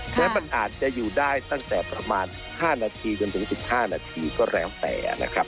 แม้มันอาจจะอยู่ได้ตั้งแต่ประมาณ๕นาทีจนถึง๑๕นาทีก็แล้วแต่นะครับ